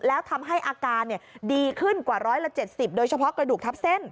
แล้วทำให้อาการดีขึ้นกว่า๑๗๐โดยเฉพาะกระดูกทับเส้น